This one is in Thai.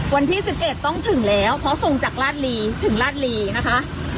วันที่๑๑ต้องถึงแล้วเพราะส่งจากราชลีถึงราชลีนะคะ